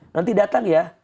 nanti datang ya